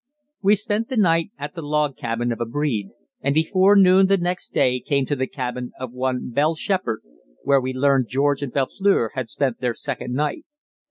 We spent the night at the log cabin of a breed, and before noon the next day came to the cabin of one Bell Shepard, where we learned George and Belfleur had spent their second night.